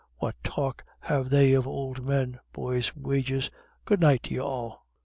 What talk have they of ould men? Boys' wages. Good night to you all."